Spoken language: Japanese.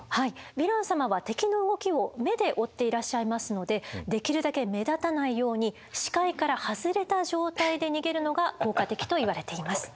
ヴィラン様は敵の動きを目で追っていらっしゃいますのでできるだけ目立たないように視界から外れた状態で逃げるのが効果的といわれています。